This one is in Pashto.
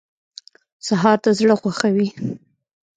سهار د زړه خوښوي.